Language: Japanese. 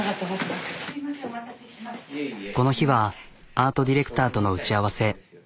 この日はアートディレクターとの打ち合わせ。